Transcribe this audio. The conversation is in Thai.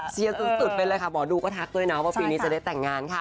เชียร์สุดบ่ดูก็ทักด้วยนะว่าปีนี้จะได้แต่งงานค่ะ